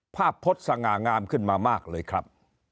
พจน์สง่างามขึ้นมามากเลยครับ